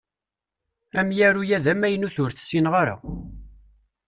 Amyaru-a d amaynut ur t-ssineɣ ara.